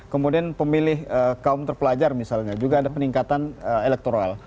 kemudian pemilih kaum terpelajar misalnya juga ada peningkatan elektoral